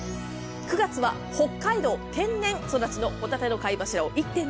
９月は北海道天然育ちのほたての貝柱を１．２ｋｇ。